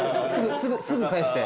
すぐ返して。